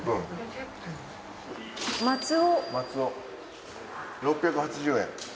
松尾６８０円。